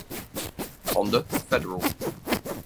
Honda Federal.